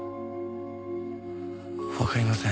わかりません。